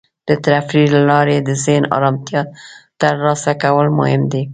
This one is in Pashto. د تفریح له لارې د ذهن ارامتیا ترلاسه کول مهم دی.